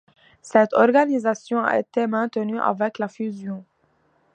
Cette organisation a été maintenue avec la fusion.